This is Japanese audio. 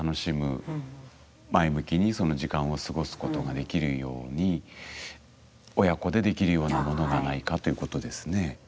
前向きにその時間を過ごすことができるように親子でできるようなものがないかということですね。